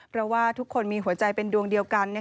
เพราะว่าทุกคนมีหัวใจเป็นดวงเดียวกัน